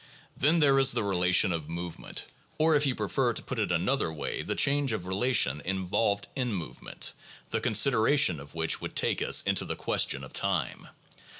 Then there is the relation of movement, or, if you prefer to put it in another way, the change of relation involved in movement, the consideration of which would take us into the question of time.